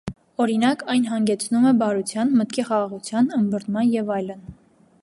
Օրինակ՝ այն հանգեցնում է բարության, մտքի խաղաղության, ըմբռնման և այլն։